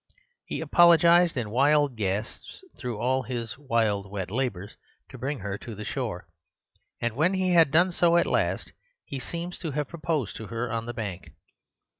He apologized in wild gasps through all his wild wet labours to bring her to the shore, and when he had done so at last, he seems to have proposed to her on the bank.